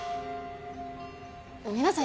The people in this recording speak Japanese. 皆さん